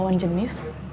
terhadap lawan jenis